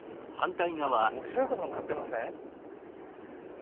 何か面白いことになってません？